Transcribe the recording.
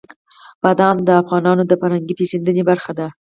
بادام د افغانانو د فرهنګي پیژندنې برخه ده.